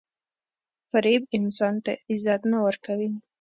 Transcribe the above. • فریب انسان ته عزت نه ورکوي.